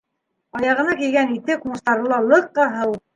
Аяғына кейгән итек ҡуңыстары ла лыҡа һыу.